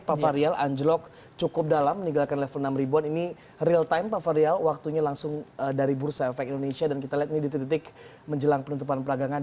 pavarial anjlok cukup dalam meninggalkan level enam ribuan ini real time pavarial waktunya langsung dari bursa efek indonesia dan kita lihat ini detik detik menjelang penutupan peragangan